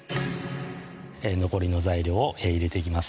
残りの材料を入れていきます